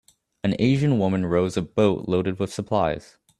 An Asian woman rows a boat loaded with supplies